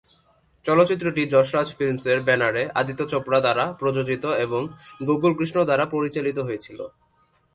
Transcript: চলচ্চিত্রটি যশ রাজ ফিল্মসের ব্যানারে আদিত্য চোপড়া দ্বারা প্রযোজিত এবং গোকুল কৃষ্ণ দ্বারা পরিচালিত হয়েছিলো।